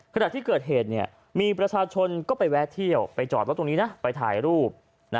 ขณะที่เกิดเหตุมีประชาชนก็ไปแวะเที่ยวไปจอดรถตรงนี้นะไปถ่ายรูป